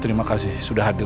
terima kasih sudah hadir